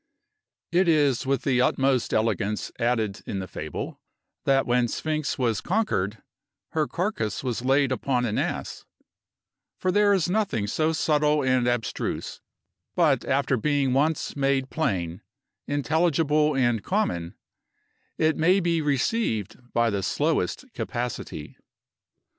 It is with the utmost elegance added in the fable, that when Sphinx was conquered, her carcass was laid upon an ass; for there is nothing so subtile and abstruse, but after being once made plain, intelligible, and common, it may be received by the slowest capacity.